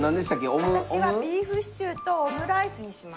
私はビーフシチューとオムライスにしました。